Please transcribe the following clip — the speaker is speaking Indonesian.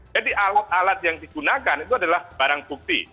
jadi alat alat yang digunakan itu adalah barang bukti